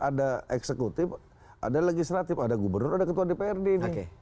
ada eksekutif ada legislatif ada gubernur ada ketua dprd ini